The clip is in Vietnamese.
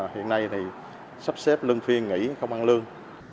hiện nay sắp xếp luân phiên nghỉ không ăn lương